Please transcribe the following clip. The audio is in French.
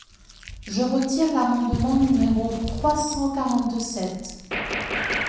Je retire l’amendement numéro trois cent quarante-sept.